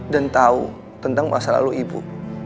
dan tahu tentang masa lalu ibu